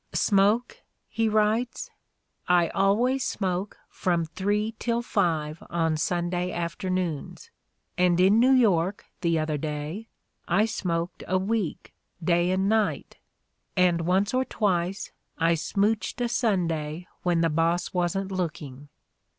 "Smoke?" he writes. "I always smoke from three till five on Sunday afternoons, and in New York, the other day, I smoked a week day and night. ,.. And once or twice I smouched a Sunday when the boss wasn't look ing.